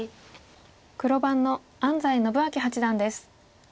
黒番の安斎伸彰八段です。